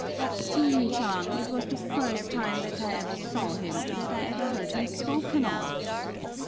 "But, Tinchang, it was the first time that I ever saw him, that I ever heard him spoken of!"